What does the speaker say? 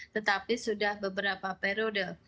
tetapi sudah beberapa periode